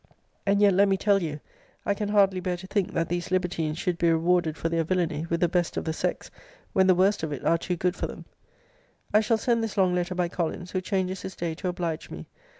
] And yet, [let me tell you,] I [can hardly] bear [to think,] that these libertines should be rewarded for their villany with the best of the sex, when the worst of it are too good for them. * See Letter XX. of this volume. I shall send this long letter by Collins,* who changes his day to oblige me.